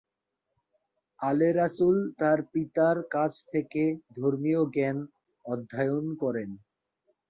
আলে রাসুল তার পিতার কাছ থেকে ধর্মীয় জ্ঞান অধ্যয়ন করেন।